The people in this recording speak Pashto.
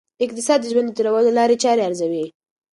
اقتصاد د ژوند د تېرولو لاري چاري ارزوي.